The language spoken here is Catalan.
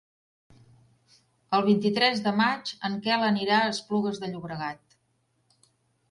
El vint-i-tres de maig en Quel anirà a Esplugues de Llobregat.